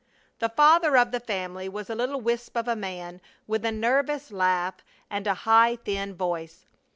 The father of the family was a little wisp of a man with a nervous laugh and a high, thin voice.